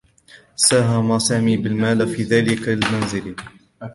ساهم سامي بالمال في ذلك المنزل.